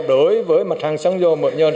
đối với mặt hàng xăng dầu mỡ nhờn